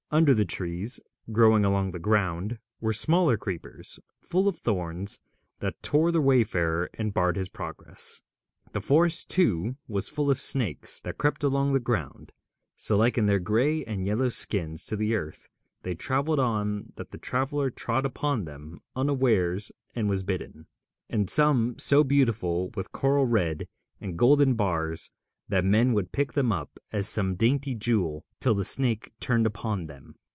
Under the trees, growing along the ground, were smaller creepers full of thorns, that tore the wayfarer and barred his progress. The forest, too, was full of snakes that crept along the ground, so like in their gray and yellow skins to the earth they travelled on that the traveller trod upon them unawares and was bitten; and some so beautiful with coral red and golden bars that men would pick them up as some dainty jewel till the snake turned upon them.